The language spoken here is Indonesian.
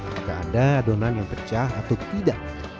apakah ada adonan yang pecah atau tidak